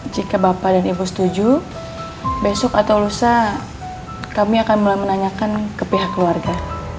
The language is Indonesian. jika bapak dan ibu setuju besok atau lusa kami akan mulai menanyakan ke pihak keluarga